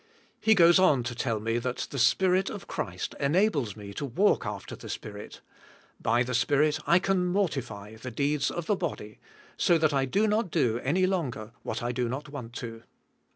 He g oes oti to tell me that the Spirit of Christ enables me to walk after the Spirit; by the Spirit I can mortify the deeds of the body, so that I do not do any long^er what I do not want to.